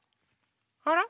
あら？